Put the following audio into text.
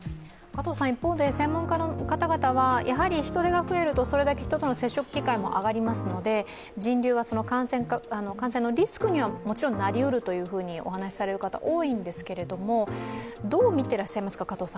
一方で、専門家の方々はそれだけ人との接触機会も上がりますので、人流が感染のリスクにもちろんなりうるとお話しされる方が多いんですが、どう見ていらっしゃいますか。